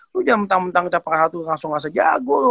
lo jam satu dua jam langsung ngerasa jago